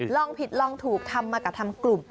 ลองผิดลองถูกทำมากับทำกลุ่ม